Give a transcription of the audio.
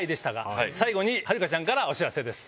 最後にはるかちゃんからお知らせです。